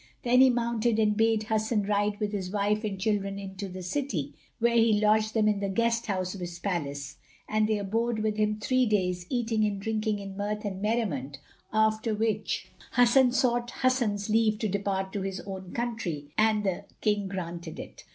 Then he mounted and bade Hasan ride with his wife and children into the city, where he lodged them in the guest house of his palace; and they abode with him three days, eating and drinking in mirth and merriment, after which Hasan sought Hassun's leave to depart to his own country and the King granted it.